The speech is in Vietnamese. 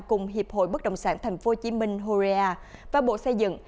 cùng hiệp hội bất động sản tp hcm horea và bộ xây dựng